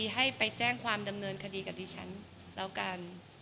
ให้ไปแจ้งความดำเนินคดีกับดิฉันแล้วกัน